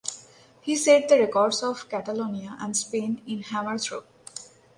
He set the records of Catalonia and Spain in hammer throw.